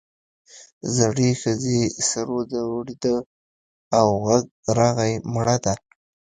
زړې ښځې سر وځړېد او غږ راغی مړه ده.